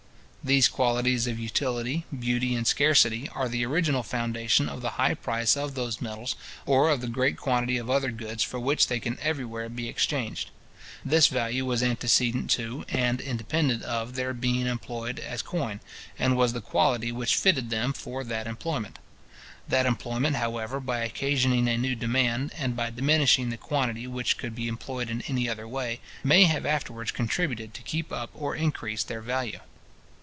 These qualities of utility, beauty, and scarcity, are the original foundation of the high price of those metals, or of the great quantity of other goods for which they can everywhere be exchanged. This value was antecedent to, and independent of their being employed as coin, and was the quality which fitted them for that employment. That employment, however, by occasioning a new demand, and by diminishing the quantity which could be employed in any other way, may have afterwards contributed to keep up or increase their value.